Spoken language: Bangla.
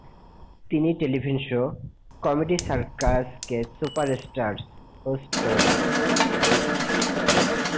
তিনি টেলিভিশন শো "কমেডি সার্কাস কে সুপার স্টারস" হোস্ট করেছিলেন।